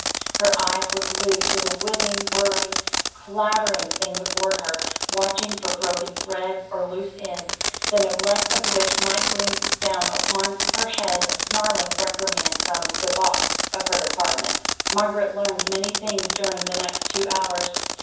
Her eyes were glued to the whizzing, whirring, clattering thing before her, watching for broken threads or loose ends, the neglect of which might bring down upon her head a snarling reprimand from "de boss" of her department. Margaret learned many things during the next two hours.